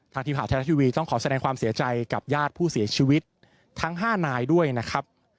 ทีมข่าวไทยรัฐทีวีต้องขอแสดงความเสียใจกับญาติผู้เสียชีวิตทั้ง๕นายด้วยนะครับ